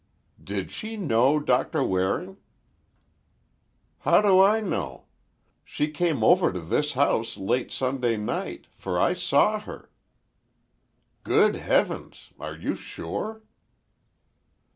"Did she know Doctor Waring?" "How do I know? She came over to this house late Sunday night—for I saw her—" "Good heavens! Are you sure?"